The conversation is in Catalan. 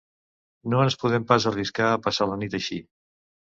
No ens podem pas arriscar a passar la nit així.